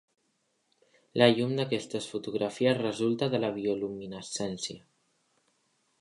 La llum d'aquestes fotografies resulta de la bioluminescència.